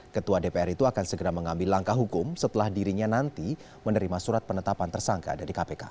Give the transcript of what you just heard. ketua dpr itu akan segera mengambil langkah hukum setelah dirinya nanti menerima surat penetapan tersangka dari kpk